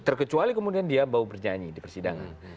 terkecuali kemudian dia bau bernyanyi di persidangan